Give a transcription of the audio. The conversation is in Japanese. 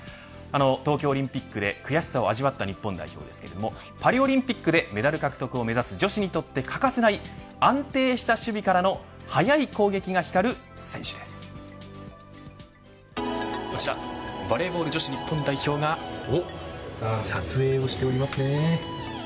東京オリンピックで悔しさを味わった日本代表ですがパリオリンピックでメダル獲得を目指す女子に欠かせない、安定した守備からのこちらバレーボール女子日本代表が撮影をしていますね。